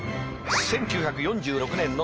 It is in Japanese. １９４６年の設立。